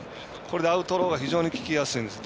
アウトローが非常に効きやすいです。